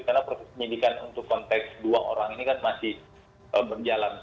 karena penyelidikan untuk konteks dua orang ini kan masih berjalan